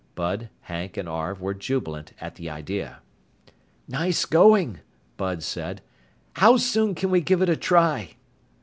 Bud, Hank, and Arv were jubilant at the idea. "Nice going," Bud said. "How soon can we give it a try?"